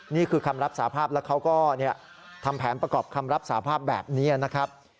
นี่คือคำรับสาภาพแล้วเขาก็ทำแผนประกอบคำรับสาภาพแบบนี้นะครับ